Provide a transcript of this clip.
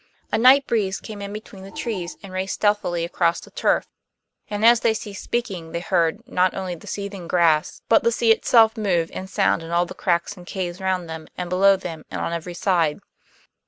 A night breeze came in between the trees and raced stealthily across the turf, and as they ceased speaking they heard, not only the seething grass, but the sea itself move and sound in all the cracks and caves round them and below them and on every side.